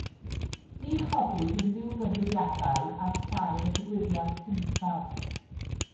Ni chodwyd unrhyw gyhuddiadau ar sail y digwyddiad cyntaf.